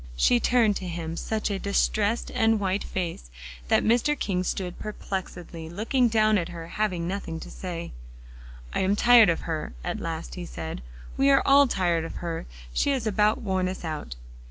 She turned to him such a distressed and white face that Mr. King stood perplexedly looking down at her, having nothing to say. "I'm tired of her," at last he said; "we are all tired of her; she has about worn us out."